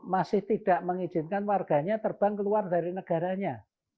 masih tidak mengizinkan warganya terbang keluar dari negaranya